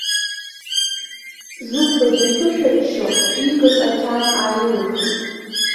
Зыхәбагьы дԥышәырччо, иикыз акьаад ааимихит.